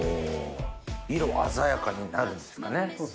色鮮やかになるんですかね。